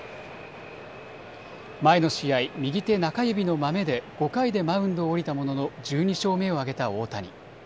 前の試合、右手中指のまめで５回でマウンドを降りたものの１２勝目を挙げた大谷。